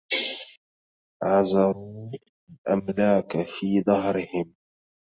عزروا الأملاك في دهرهم